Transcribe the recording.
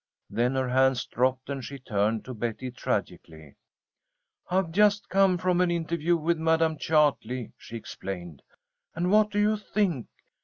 Then her hands dropped and she turned to Betty tragically. "I've just come from an interview with Madam Chartley," she explained. "And what do you think?